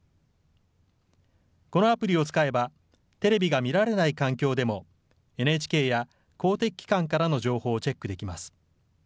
このアプリを使えばテレビが見られない環境でもＮＨＫや公的機関からの情報をチェックできます。